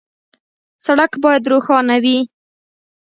سړک باید روښانه وي.